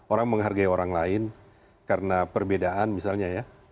orang menghargai orang lain karena perbedaan misalnya ya